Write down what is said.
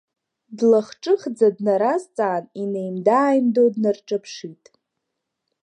Длахҿыхӡа днаразҵаан, инеимда-ааимдо днарҿаԥшит.